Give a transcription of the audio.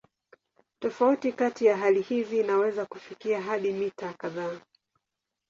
Tofauti kati ya hali hizi inaweza kufikia hadi mita kadhaa.